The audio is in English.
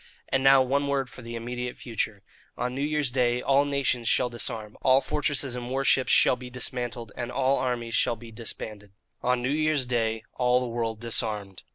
"And now one word for the immediate future. On New Year's Day all nations shall disarm, all fortresses and war ships shall be dismantled, and all armies shall be disbanded. "GOLIAH." On New Year's Day all the world disarmed.